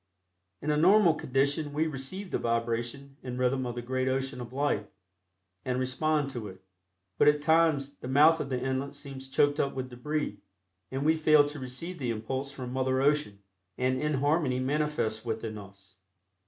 In a normal condition we receive the vibration and rhythm of the great ocean of life, and respond to it, but at times the mouth of the inlet seems choked up with debris, and we fail to receive the impulse from Mother Ocean, and inharmony manifests within us.